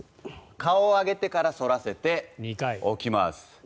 顔を上げてから反らせて起きます。